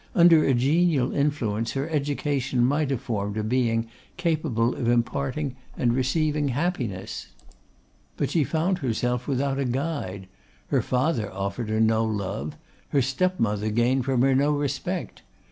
Under a genial influence, her education might have formed a being capable of imparting and receiving happiness. But she found herself without a guide. Her father offered her no love; her step mother gained from her no respect.